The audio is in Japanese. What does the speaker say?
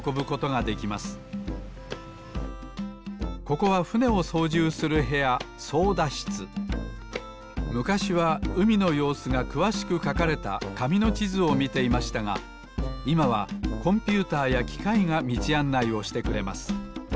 ここはふねをそうじゅうするへやむかしはうみのようすがくわしくかかれたかみのちずをみていましたがいまはコンピューターやきかいがみちあんないをしてくれます。